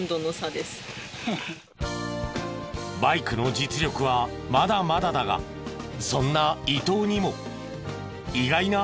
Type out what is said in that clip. バイクの実力はまだまだだがそんな伊東にも意外な才能がある。